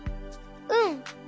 うん。